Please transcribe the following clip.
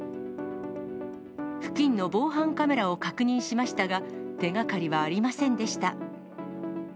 付近の防犯カメラを確認しましたが、手がかりはありませんでした。